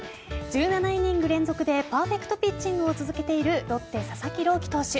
１７イニング連続でパーフェクトピッチングを続けているロッテ・佐々木朗希投手。